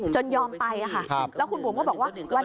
ยอมไปค่ะแล้วคุณบุ๋มก็บอกว่า